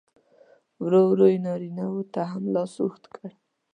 ورو ورو یې نارینه و ته هم لاس اوږد کړ.